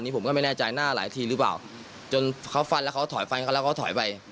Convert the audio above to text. ผมก็ไม่แน่ใจหน้าหลายทีหรือเปล่าจนเขาฟันแล้วเขาถอยฟันเขาแล้วเขาถอยไป